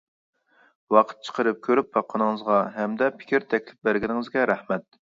ۋاقىت چىقىرىپ كۆرۈپ باققىنىڭىزغا ھەمدە پىكىر تەكلىپ بەرگىنىڭىزگە رەھمەت.